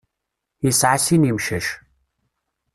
Yesεa sin imcac.